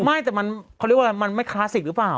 ไม่แต่มันเขาเรียกว่าอะไรมันไม่คลาสสิกหรือเปล่า